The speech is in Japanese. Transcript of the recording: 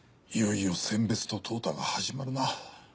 いよいよ選別ととう汰が始まるな。